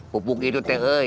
pupuk itu tehe